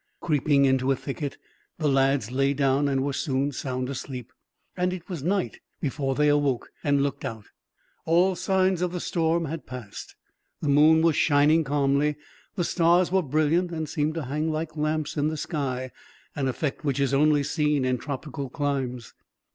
Creeping into a thicket, the lads lay down and were soon sound asleep; and it was night before they awoke, and looked out. All signs of the storm had passed. The moon was shining calmly, the stars were brilliant, and seemed to hang like lamps in the sky, an effect which is only seen in tropical climes.